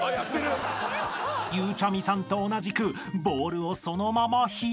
［ゆうちゃみさんと同じくボウルをそのまま火に］